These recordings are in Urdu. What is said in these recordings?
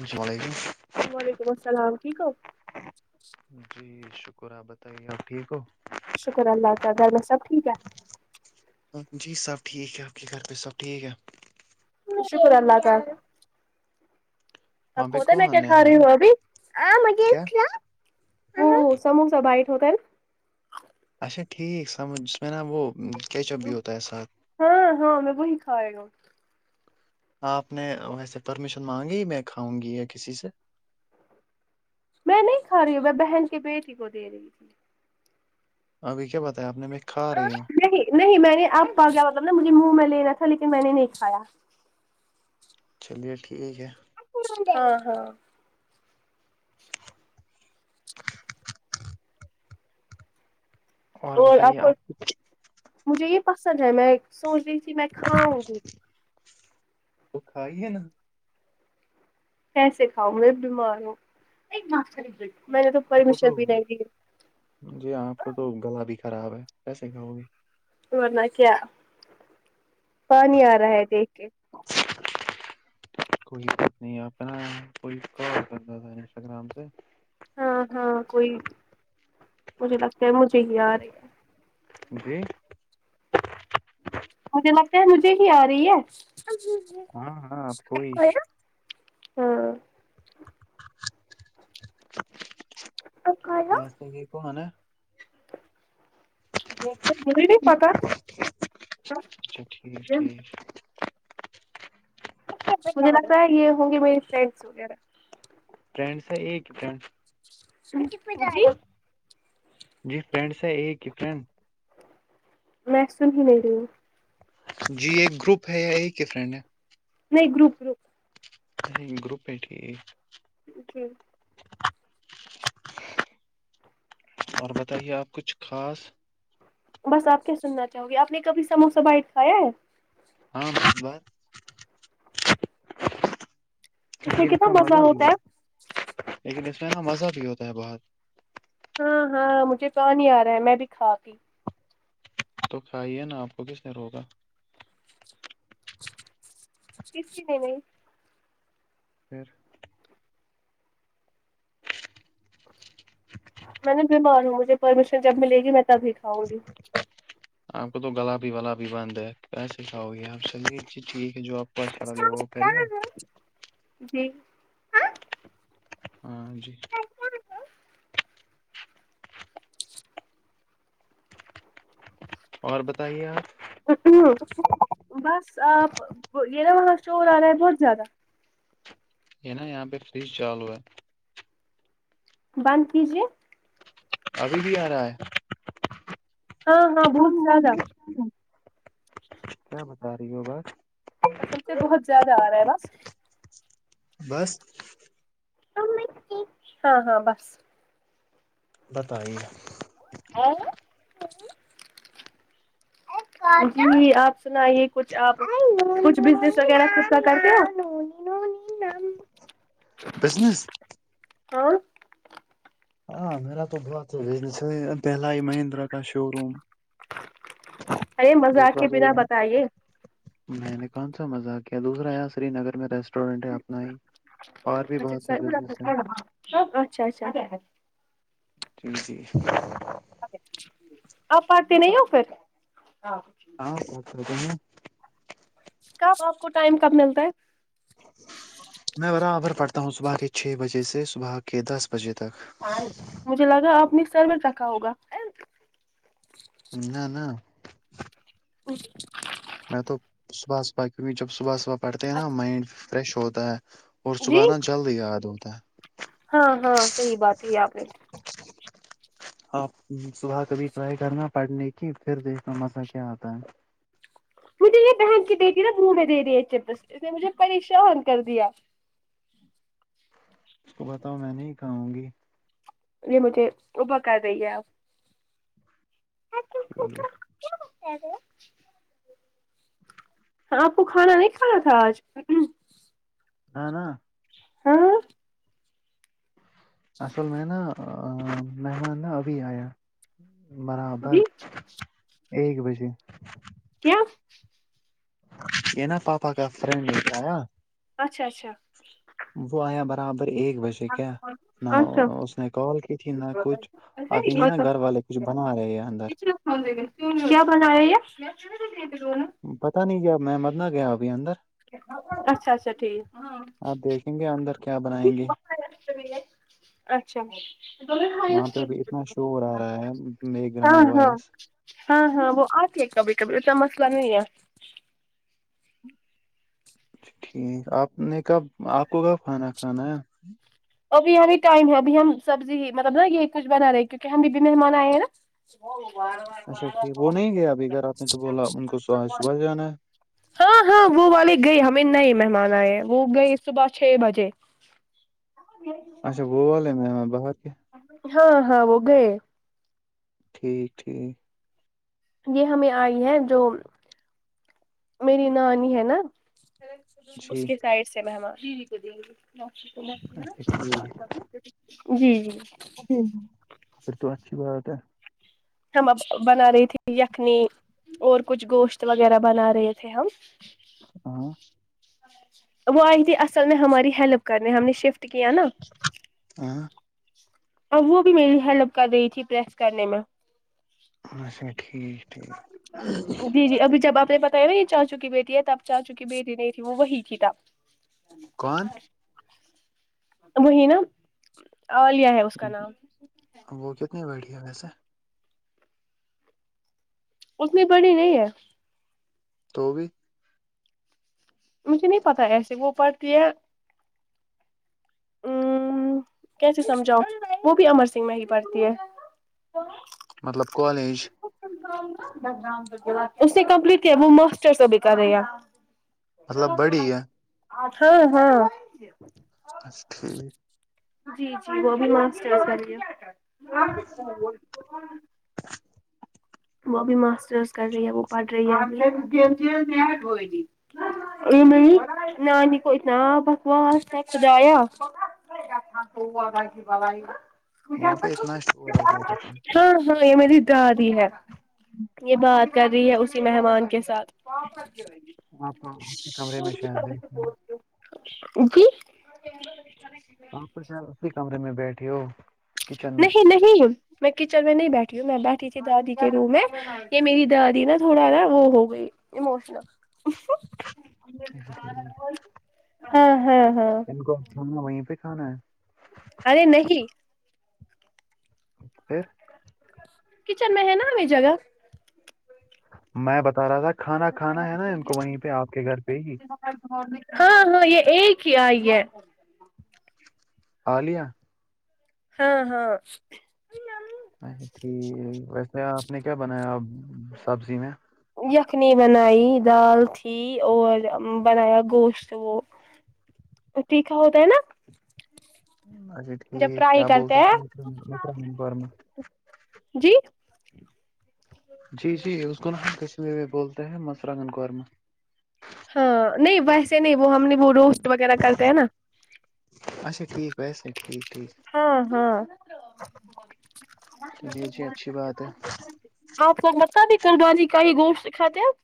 السلام علیکم وعلیکم السلام ٹھیک ہو جی شکر آپ بتائیے آپ ٹھیک ہو شکر اللہ کا گھر میں سب ٹھیک ہے جی سب ٹھیک ہے آپ کے گھر پہ سب ٹھیک ہے شکر اللہ کا اپ وہاں پہ کوپاتا میں کیا کون ہے کھا رہی ہوں مجھے کیا بھی کہلاؤ صاموہ بائٹ ہوتا ہے اچا ٹھیک سمجھ میں نا وہ کیا کچھب نا بھی ہو تا ہے ساتھ ہاں ہاں میں وہی کھائے راہی ہوں آپ نے ویسے پرمیشن مانگی میں کھاؤں گی یا کسی سے میں نہیں کھا رہی ہوں میں بہن کی بیٹی کو دے رہی تھی ابھی کیا بتایا آپ نے میں کھا رہی ہوں نہیں نہیں میں نے اب پا گیا مطلب نا مجھے منہ میں لینا تھا لیکن میں نے نہیں کھایا چلیے ٹھیک ہے ہاں ہاں اور آپ کو مجھے یہ پسند ہے میں سوچ رہی تھی میں کھاؤں گی تو کھائیے نا کیسے کھاؤں میں بیمار ہوں ایک بات میں نے تو آپ کو پرمیشن تو بھی نہیں دی جی آپ کو تو گلا بھی خراب ہے پیسے کہو گی ورنہ کیا پانی آ رہا ہے دیکھ کے س کوئی بات نہیں اپنا کوئی کال کرنا تھا انسٹاگررام سے ہاں ہاں کوئی مجھے لگتا ہے مجھے ہی آ رہی ہے جی مجھے لگتا ہے مجھے ہی آ رہی ہے ہاں ہاں آپ کوئی ہاں ت کی کو مان نے مجھے نہیی پا تا اچھا ٹھیک ٹھیک مجھے لگتا ہے یہ ہوگے میرے فرینڈس وغیرہ فرینڈس ہے ایک نڈ س ک مئی جی فرینڈس ہے ایک ہی فرینڈ میکسن ہی نہیں رہی جی ایک گروپ ہے یا ایک ہی فرینڈ ہے نہیں گروپ گروپ نہیں گروپ ہے ٹ جی اور بتائیے آپ کچھ خاص بس آپ کیا سننا چاہو گی آپ نے کبھی سموسہ بائٹ کھایا ہے ہاں بار لیکن اس میں مزہ بھی لیکن اس میں مزہ بھی ہوتا ہے بہت ہاں ہاں مجھے پانی آ رہا ہے میں بھی کھاتی تو کھائیے نا آپ کو کس نے روگا کتک نہیں نہیں پھر میں نے بیمار ہوں مجھے پرمیشن جب ملے گی میں تبھی کھاؤں گی آپ کو تو گلا بھی ولا بھی بند ہے پسے کھا ہو گیا آپ چلیے ٹھیک ہے جو آپ کو اچھا لگے وہ کریے جی ہاں جی اور بتائیے آپ بس آپ یہ نا وہاں شور آ رہا ہے بہت زیادہ یہ نا یہاں پہ فریج چالو ہے بند کیجیے ابھی بھی آ رہا ہے ہاں ہاں بہت زیادہ کیا بتا رہی ہو بات اصل تو بہت زیاد آ رہا ہے بس بس ہاں ہاں بس بتائیے [unintelligible] جی آپ سنائی کچھ آپ کچھ بزنس وغیرہ کا کرتے ہو امم بزنس ہاں ہاں میرا تو بہت ہی بزس ہے پہلا ہی مہندرا کا شو روم ارے مذاق دوسرا کے بنا یہ بتائیے میں نے کون سا مزاق کیا دوسرا یار سرینگر میں ریسٹ اسٹڈینٹ ہے اپنا ہی اور بھی اچھا بہت سے سر بزنس ہیں اچھا اچھا جی جی آپ پارتے نہیں ہو پھر ہاں آ رہ ہیں کب آپ کو ٹائم کب ملتا ہے میں برابر پڑھتا ہوں صبح کے چھ بجے سے صبح کے دس بجے تک مجھے لگا آپ نے سر میں رکھا ہوگا نہ نہ میں تو صبح صبح کیونکہ جب صبح صبح پڑھتے ہیں نا مائنڈ فریش ہوتا ہے اور جی صبح نا جلد یاد ہوتا ہے ہاں ہاں صحیح بات ہے آپ نے آپ صبح کبھی ٹرائی کرنا پڑھنے کی پھر دیکھنا مزہ کیا آتا ہے مجھے یہ پہن کی دیتیھی نا منہ میں دے رہی ہے اچے بس اس نے مجھے پریشان کر دیا اس کو بتاؤ میں نہیں کاؤں گی یہ مجھے ابا کر رہی ہے آپ جی کیا بتا رہے آپ کو کھانا نہیں کھانا تھا آج نہ نہ ہاں اصل میں نا مہمان ناں ابھی آیا برابر جی ایک بجے کیا یہ نا پاپا کا فرینڈ ہے تایا اچھا اچھا وہ آیا برابر ایک بجے کیا نہ اچھا اس نے کال کی تھی نہ کچھ ابھی ناں اچھا گھر والے کچھ بنا رہے ہیں اندر ہاں جی کیا بنا رہے ہیں پتا نہیں کیا میں مرنا گیا ابھی اندر اچھا اچھا ٹھیک آپ دیکھیں گے اندر کیا بنائیں گے اچھا وہاں پہ ابھی اتنا شور آ رہا ہے بیک ہاں گراؤنڈ ہاں وائز ہاں ہاں وہ آتی ہے کبھی کبھی ایسا مسئلہ نہیں ہے ٹھیک آپ نے کب آپ کو کب کھانا کھانا ہے ابھی ابھی ٹائم ہے اب ہم سبزی مطلب نا یہ کچھ بنا رہے کیونکہ ہم ابھی مہمان آئے ہیں نا اچھا ٹھیک وہ نہیں گیا ابھی گھر آپ نے تو بولا ان کو صبح صبح جانا ہے [unintelligible] ہاں ہاں وہ والے گئے ہمیں نئے مہمان آئے وہ گئے صبح چھ بجے اچھا وہ والے میں باہر کے ہاں ہاں وہ گئے ٹھیک ٹھیک یہ ہمیں آئی ہے جو میری نانی ہے ناں جی اس کے سائڈ سے مہمان جی اچھا ٹھیک جی پھر تو اچھی بات ہے ہم اب بنا رہی تھی یخنی اور کچھ گوشت وغیرہ بنا رہے تھے ہم ہاں وہ آئی تھی اصل میں ہماری ہیلپ کرنے ہم نے شفٹ کیا ناں ہاں اب وہ بھی میری ہیلپ کر رہی تھی پریس کرنے میں اچھا ٹھیک ٹھیک جی جی ابھی جب آپ نے بتایا نا یہ چاچو کی بیٹی ہے تب چاچو کی بیٹی نہیں تھی وہ وہی تھی تب کون وہی ناں عالیہ ہے اس کا نام وہ کتنی بڑی ہے ویسے اتنی بڑی نہیں ہے تو بھی مجھے نہیں پتہ ایسے وہ پڑھتی ہے ام کیسے سمجھاؤں وہ بھی امر سنگ میں ہی پڑھتی ہے مطلب کالج اس نے کمپلیٹ کیا وہ ماسٹرز ابھی کر رہی ہے مطلب بڑی ہے ہاں ہاں بس ٹھیک جی جی وہ بھی ماسٹرز کر رہی ہے وہ بھی ماسٹرز کر رہی ہے وہ پڑھ رہی ہے ا نہیں نانی کو اتنا بکواس نے ک جایا ک کو ب با گا [unintelligible] وہاں پہ اتنا شور ہوتا ہے قسم سے۔ ہاں ہاں یہ میری دادی ہے یہ بات کر رہی ہے اسی مہمان کے ساتھ آپ اسی کمرے میں شاید دیکھ رہے ہو جی آاںپ شل اسی کمرے میں بیٹھے ہو کچن میں نہیں نہیں میں کچن میں نہیں بیٹھی ہوں میں بیٹھی تھی دادی کے روم میں یہ میری دادی نا تھوڑا نا وہ ہو گئی ایموشنل اچہا ٹھیک ہے ہوں ہوں ہوں روکو ہمنے وہیں پہ کھانا ہے ارے نہیں پھر کچن میں ہے نا لے جائیگا میں بتا رہا تھا کھانا کھانا ہے نا ان کو وہی پہ آپ کے گھر پہ ہی ہاں ہاں یہ ایک ہی آئی ہے عالیہ ہاں ہاں اچھا ٹھیک ویسے آپ نے کیا بنایا سبزی میں یخنی بنائی دال تھی اور بنایا گوشت وہ وہ تیکھا ہوتا ہے نا اچھا جب ٹھیک کیا فرائی بول کرتے [unintelligible] س مگ ہیں مرانگ پم جی جی جی اسکو نہ کچھ میں بولتے ہیں [unintelligible] قورما ہاں نہیں ویسے نہیں وہ ہم نے وہ روسٹ وغیرہ کرتے ہیں نا اچھا ٹھیک ویسے ٹھیک ٹھیک ہاں ہاں چلیے جی اچھی بات ہے آپکو [unintelligible]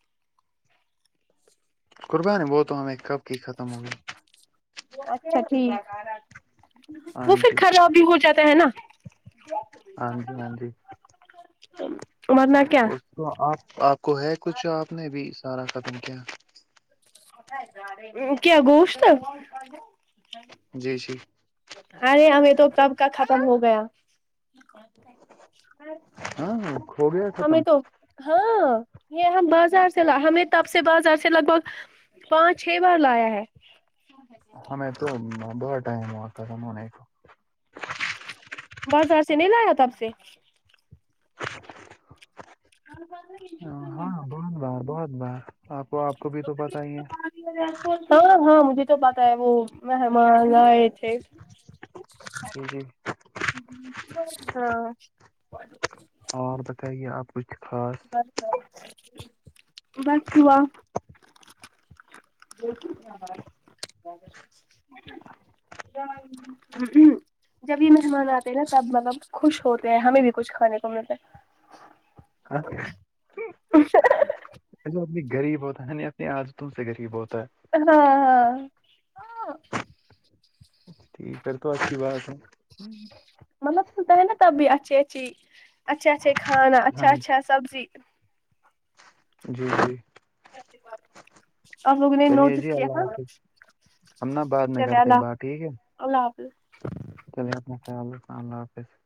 قربانی وہ تو ہمیں کب کی ختم ہوگی اچھا ٹھیک ہاں وہ پھر جی خراب بھی ہو جاتا ہے نا ہاں جی ہاں جی ا اس تو آپ آپ کو ہے کچھ آپ نے بھی سارا ختم کیا کیا گوشت جی جی ارے ہمیں تو کب کا ختم ہو گیا ہاں ہو گیا ختم ہمیں تو ہاں یہ ہم بازار سے ہمیں تب سے بازار سے لگ بھگ پانچ چھ بار لایا ہے ہمیں تو بہت ٹائم ہوا ختم ہونے تو بازار سے نہیں لایا تب سے [unintelligible] ک ب ہاں بہت بار بہت بار آپ کو آپ کو بھی تو پتا ہی ہے ہاں ہاں مجھے تو پتاہ ہے وہ مہمان رائٹ ہے جی جی ہاں اور بتائیے آپ کچھ خاص بس دعا ہ جب یہ مہمان آتے ہیں نا تب مطلب خوش ہوتے ہیں ہمیں بھی کچھ کھانے کو ملتا ہے ہاں مطلب آدمی غریب ہوتا ہے نہیں اپنے عادتوں سے غریب ہوتا ہے ہاں ہاں ٹھیک ہے یہ تو اچھی بات ہے مطلب سنتا ہے نا تب بھی اچھی اچھی اچھے اچھے کھانا ہاں اچھا جی اچھا سبزی جی جی اور لوگوں نے چلیے نوٹس جی کیا اللہ تھا حافظ ہم نا بعد میں چلے کرتے ہے اللہ بات ٹھیک ہے اللہ حافظ چلیے اپنا خیال رکھنا اللہ حافظ